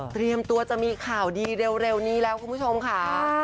เตรียมตัวจะมีข่าวดีเร็วนี้แล้วคุณผู้ชมค่ะ